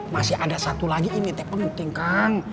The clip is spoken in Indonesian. masih ada satu lagi ini penting kang